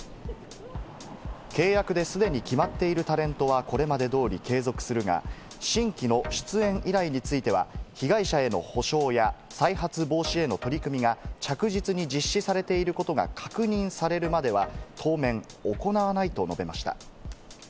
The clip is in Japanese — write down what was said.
契約で既に決まっているタレントはこれまで通り継続するが、新規の出演依頼については、被害者への補償や再発防止への取り組みが着実に実施されていることが確認されるまでは当面行わないと述べました。